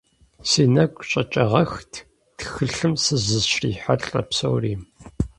Си нэгу щӀэкӀагъэххэт тхылъым сызыщрихьэлӀэ псори.